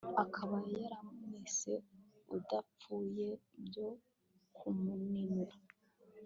akaba yaramwise udapfuye byo kumuninura